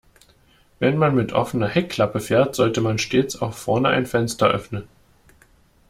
Wenn man mit offener Heckklappe fährt, sollte man stets auch vorne ein Fenster öffnen.